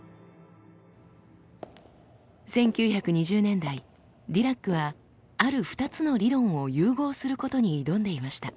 １９２０年代ディラックはある２つの理論を融合することに挑んでいました。